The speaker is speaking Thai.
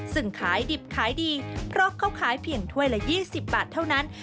ซึ่งขายดิบขายดีเพราะเขาขายเพียงถ้วยละ๒๐บาทเท่านั้น